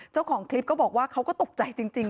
เจ้าของคลิปก็บอกว่าเขาก็ตกใจจริง